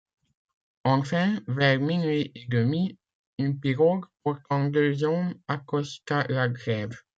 Enfin, vers minuit et demi, une pirogue, portant deux hommes, accosta la grève.